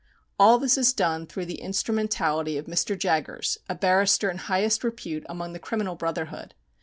All this is done through the instrumentality of Mr. Jaggers, a barrister in highest repute among the criminal brotherhood.